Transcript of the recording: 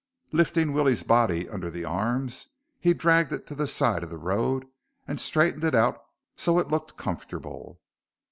Lifting Willie's body under the arms, he dragged it to the side of the road and straightened it out so it looked comfortable.